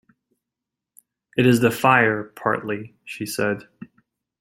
It is the fire, partly, she said.